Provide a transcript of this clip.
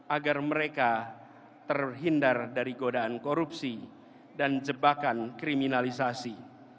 agar mereka terhindar dari godaan korupsi dan jebakan kriminalisasi